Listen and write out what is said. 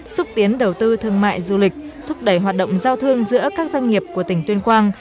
xúc tiến đầu tư thương mại du lịch thúc đẩy hoạt động giao thương giữa các doanh nghiệp của tỉnh tuyên quang